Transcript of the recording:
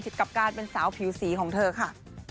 กับการเป็นสาวผิวสีของเธอค่ะ